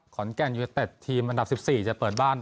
ขอนแก่นยูเนเต็ดทีมอันดับ๑๔จะเปิดบ้าน